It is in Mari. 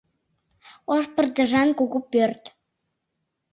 Ош пырдыжан кугу пӧрт.